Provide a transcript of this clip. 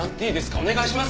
お願いします！